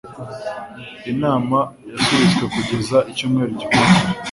inama yasubitswe kugeza icyumweru gikurikira